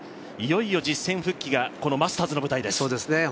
いよいよ実戦復帰がこのマスターズの舞台です。